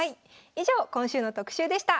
以上今週の特集でした。